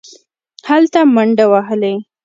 هلته منډې وهلې.